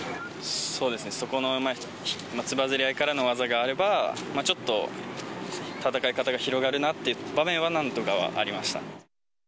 そうですね、そこのつばぜり合いからの技があれば、ちょっと戦い方が広がるなっていう場面は何度かありました。